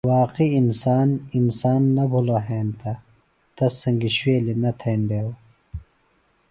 واقعی انسان، انسان نہ بِھلوۡ ہینتہ تس سنگیۡ شُوویلیۡ نہ تھینڈیوۡ